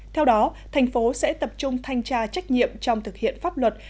theo đó thành phố sẽ tập trung thanh tra trách nhiệm trong thực hiện pháp luật